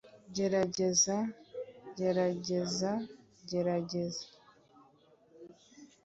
gerageza, gerarageze gerageza